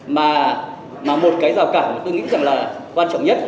mà một cái rào cản mà tôi nghĩ rằng là quan trọng nhất